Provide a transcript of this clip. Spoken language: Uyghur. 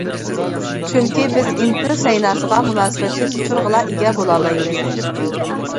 چۈنكى بىز ئىنتىل سەيناسىغا مۇناسىۋەتلىك ئۇچۇرغىلا ئىگە بولالايمىز.